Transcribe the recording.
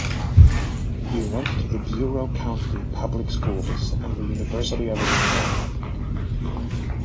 He went to the Bureau County public schools and the University of Illinois.